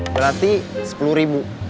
berarti sepuluh ribu